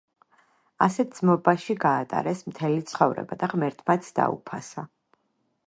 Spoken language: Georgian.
ასეთ ძმობაში გაატარეს მთელი ცხოვრება და ღმერთმაც დაუფასა